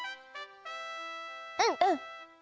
うん！